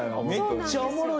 めっちゃおもろいやん。